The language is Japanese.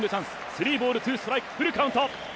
３ボール２ストライクフルカウント